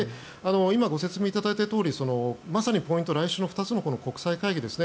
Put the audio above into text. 今、ご説明いただいたとおりまさにポイントは来週の２つの国際会議ですね。